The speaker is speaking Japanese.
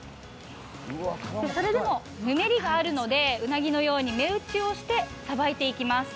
それでもぬめりがあるのでうなぎのように目打ちをしてさばいていきます。